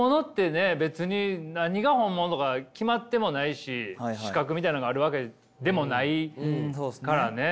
別に何が本物とか決まってもないし資格みたいなのがあるわけでもないからね。